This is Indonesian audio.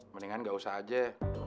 mendingan gak usah aja